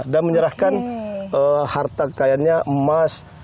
dan menyerahkan harta kekayaannya emas